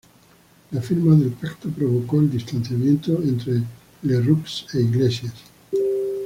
La firma del pacto provocó el distanciamiento entre Lerroux e Iglesias.